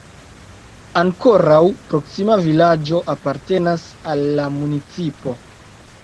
Ankoraŭ proksima vilaĝo apartenas al la municipo.